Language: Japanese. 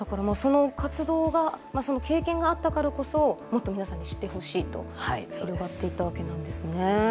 その経験があったからこそもっと皆さんに知ってほしいとつながっていったわけなんですね。